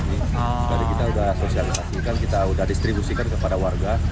jadi kita sudah sosialisasikan kita sudah distribusikan kepada warga